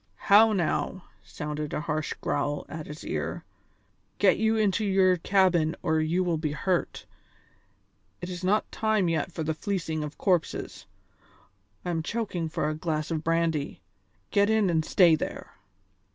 "How now!" sounded a harsh growl at his ear. "Get you into your cabin or you will be hurt. It is not time yet for the fleecing of corpses! I am choking for a glass of brandy. Get in and stay there!"